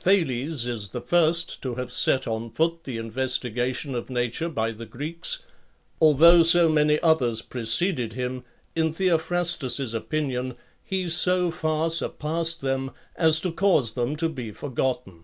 Thales is the first to have set on foot the investigation of nature by the Greeks; although so many others preceded him, in Theophrastos's opinion he so far surpassed them as to cause them to be forgotten.